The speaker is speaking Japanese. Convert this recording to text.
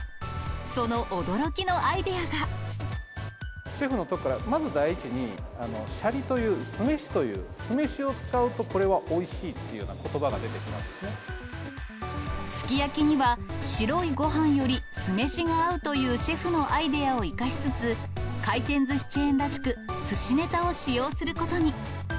その驚きのアイシェフのところから、まず第一に、シャリという、酢飯という、酢飯を使うとこれはおいしいっていうようなことばが出てきたんですき焼きには白いご飯より酢飯が合うというシェフのアイデアを生かしつつ、回転ずしチェーンらしく、すしネタを使用することに。